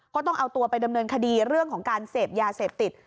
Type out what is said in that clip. ก็ต้องเอาตัวไปดำเนินคดีเรื่องของการเสพยาเสพติด